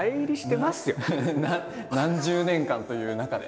何十年間という中で。